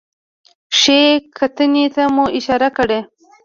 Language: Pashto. ښې نکتې ته مو اشاره کړې